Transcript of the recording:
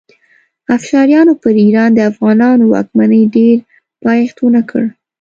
افشاریانو پر ایران د افغانانو واکمنۍ ډېر پایښت ونه کړ.